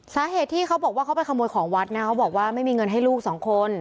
สาเหตุที่เขาบอกว่าเขาไปขโมยของวัดนะเขาบอกว่าไม่มีเงินให้ลูกสองคน